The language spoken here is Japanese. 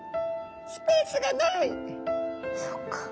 そっか。